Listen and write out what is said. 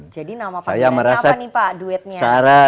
jadi nama pak jokowi apa nih pak duetnya